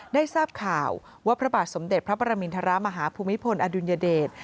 ได้ทราบข่าวว่าพระบาทสมเด็จพระปรมินทรมาฮภูมิพลอดุลยเดช